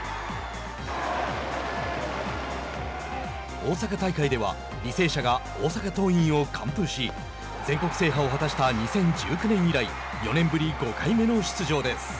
大阪大会では履正社が大阪桐蔭を完封し全国制覇を果たした２０１９年以来４年ぶり５回目の出場です。